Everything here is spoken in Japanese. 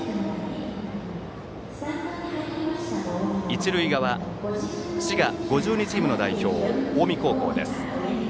一塁側、滋賀５２チームの代表近江高校です。